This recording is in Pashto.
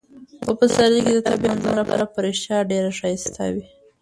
په پسرلي کې د طبیعت منظره په رښتیا ډیره ښایسته وي.